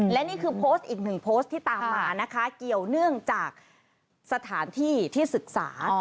และนี่คือโพสต์อีกหนึ่งโพสต์ที่ตามมานะคะเกี่ยวเนื่องจากสถานที่ที่ศึกษา